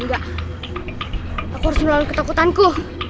enggak aku harus melalui ketakutanku